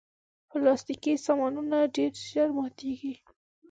پلاستيکي سامانونه ډېر ژر ماتیږي.